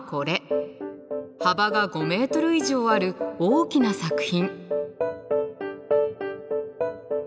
幅が５ｍ以上ある大きな作品。